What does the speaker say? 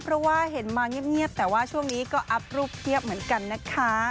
เพราะว่าเห็นมาเงียบแต่ว่าช่วงนี้ก็อัพรูปเพียบเหมือนกันนะคะ